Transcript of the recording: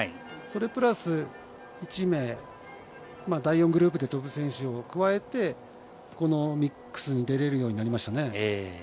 それプラス１名、第４グループで飛ぶ選手を加えて、ミックスに出れるようになりましたね。